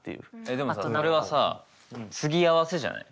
でもさそれはさ継ぎ合わせじゃない？